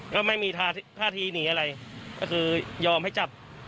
ก็ไม่มีท่าทีหนีอะไรก็คือยอมให้จับ